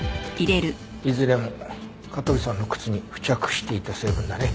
いずれも香取さんの靴に付着していた成分だね。